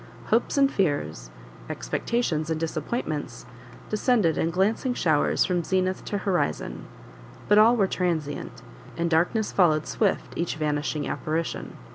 Hopes and fears, expectations and disappointments, descended in glancing showers from zenith to horizon; but all were transient, and darkness followed swift each vanishing apparition.